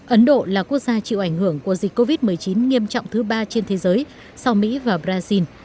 ấn độ là quốc gia chịu ảnh hưởng của dịch covid một mươi chín nghiêm trọng thứ ba trên thế giới sau mỹ và brazil